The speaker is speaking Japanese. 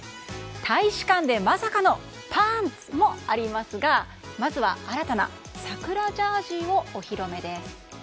大使館でまさかのパンツ！もありますがまずは、新たな桜ジャージーをお披露目です。